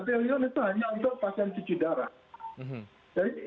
jadi ini kalau memang ingin memerlukan dana yang memang